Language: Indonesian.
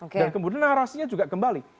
dan kemudian narasinya juga kembali